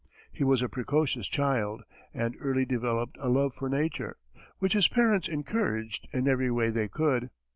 He was a precocious child, and early developed a love for nature, which his parents encouraged in every way they could.